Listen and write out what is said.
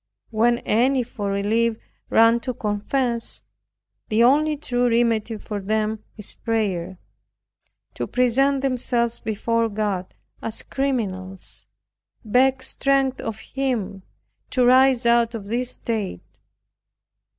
When any for relief run to confess, the only true remedy for them is prayer; to present themselves before God as criminals, beg strength of Him to rise out of this state.